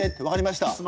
「分かりました」。